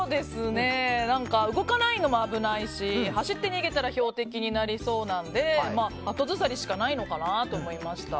動かないのも危ないし走って逃げたら標的になりそうなので後ずさりしかないのかなと思いました。